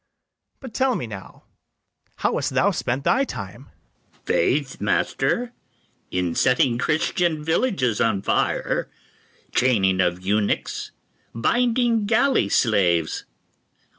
But tell me now, how hast thou spent thy time? ITHAMORE. Faith, master, In setting Christian villages on fire, Chaining of eunuchs, binding galley slaves.